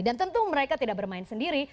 dan tentu mereka tidak bermain sendiri